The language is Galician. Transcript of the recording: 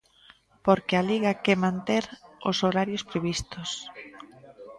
Porque a Liga que manter os horarios previstos.